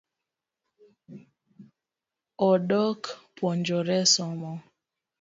Odok puonjore somo